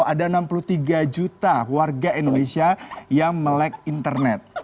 ada enam puluh tiga juta warga indonesia yang melek internet